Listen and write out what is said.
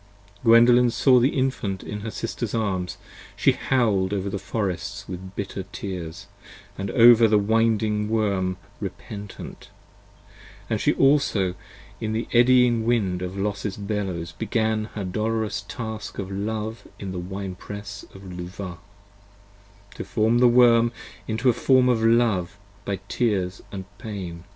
70 Gwendolen saw the Infant in her sister's arms: she howl'd Over the forests with bitter tears, and over the winding Worm, Repentant: and she also in the eddying wind of Los's Bellows Began her dolorous task of love in the Wine press of Luvah, To form the Worm into a form of love by tears & pain.